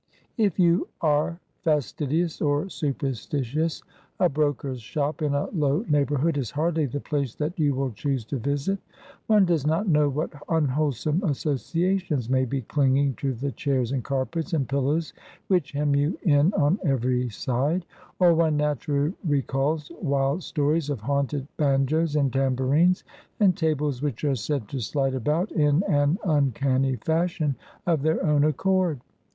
If you are fastidious or superstitious, a broker's shop in a low neighbourhood is hardly the place that you will choose to visit. One does not know what unwholesome associations may be clinging to the chairs and carpets and pillows which hem you in on every side; or one naturally recalls wild stories of haunted banjoes and tambourines, and tables which are said to slide about in an uncanny fashion of their own accord.